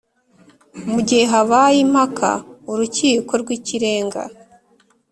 Mu gihe habaye impaka Urukiko rw Ikirenga